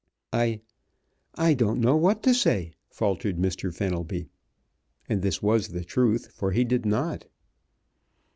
"I I don't know what to say," faltered Mr. Fenelby, and this was the truth, for he did not.